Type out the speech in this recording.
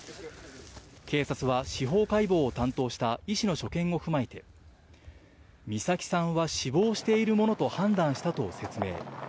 警察は司法解剖を担当した医師の所見を踏まえて、美咲さんは死亡しているものと判断したと説明。